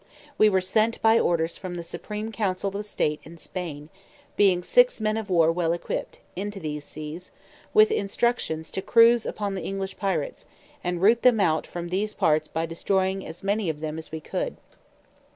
We were sent by orders from the Supreme Council of State in Spain, being six men of war well equipped, into these seas, with instructions to cruise upon the English pirates, and root them out from these parts by destroying as many of them as we could.